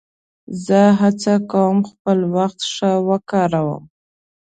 زه هڅه کوم خپل وخت ښه وکاروم.